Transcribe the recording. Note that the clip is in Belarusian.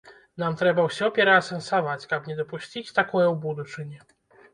Нам трэба ўсё пераасэнсаваць, каб не дапусціць такое ў будучыні.